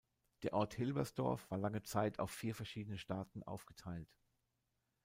Der Ort Hilbersdorf war lange Zeit auf vier verschiedene Staaten aufgeteilt.